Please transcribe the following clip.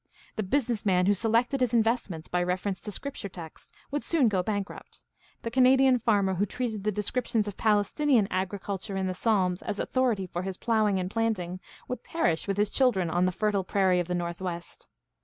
The business man who selected his investments by reference to Scripture texts would soon go bankrupt. The Canadian farmer who treated the descrip tions of Palestinian agriculture in the Psalms as author ity for his ploughing and planting would perish with his children on the fertile prairie of the Northwest.